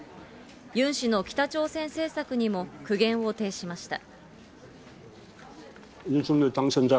ユン氏の北朝鮮政策にも苦言を呈しました。